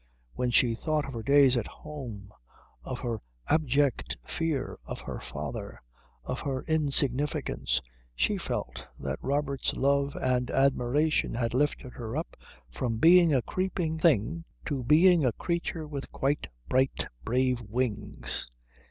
When she thought of her days at home, of her abject fear of her father, of her insignificance, she felt that Robert's love and admiration had lifted her up from being a creeping thing to being a creature with quite bright brave wings.